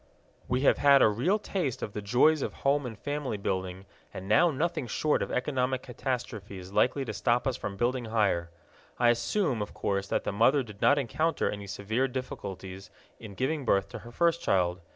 We have had a real taste of the joys of home and family building, and now nothing short of economic catastrophe is likely to stop us from building higher. I assume, of course, that the mother did not encounter any severe difficulties in giving birth to her first child.